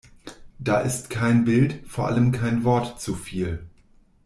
Da ist kein Bild, vor allem kein Wort zuviel.